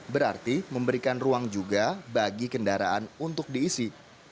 berarti memberikan ruang juga bagi kendaraan untuk diisi